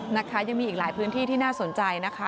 นะคะยังมีอีกหลายพื้นที่ที่น่าสนใจนะคะ